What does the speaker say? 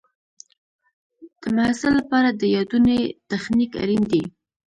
د محصل لپاره د یادونې تخنیک اړین دی.